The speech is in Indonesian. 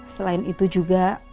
selain itu juga